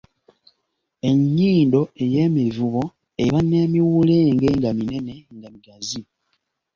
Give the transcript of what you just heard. Ennyindo ey’emivubo eba n’emiwulenge nga minene nga migazi.